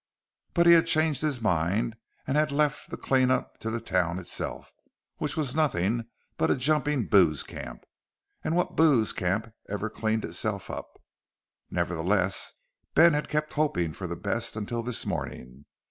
But he had changed his mind and had left the clean up to the town itself, which was nothing but a jumping booze camp, and what booze camp ever cleaned itself up? Nevertheless, Ben had kept hoping for the best until this morning.